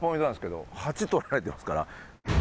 ８取られてますから。